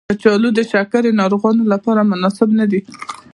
کچالو د شکرې ناروغانو لپاره مناسب ندی.